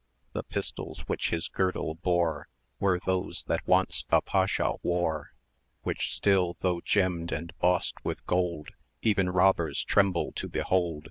The pistols which his girdle bore Were those that once a Pasha wore, 530 Which still, though gemmed and bossed with gold, Even robbers tremble to behold.